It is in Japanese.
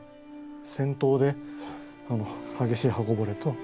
戦闘で激しい刃こぼれと